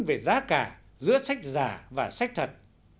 về giá cả giữa sách giả và sách thật